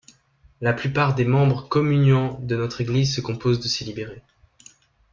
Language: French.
La plupart des membres communiants de notre Église se composent de ces libérés.